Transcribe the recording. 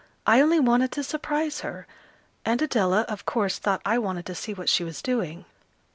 I only wanted to surprise her; and Adela, of course, thought I wanted to see what she was doing."